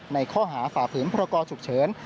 ในค่อหาฝากฝืนพลากอฉุกเชิญ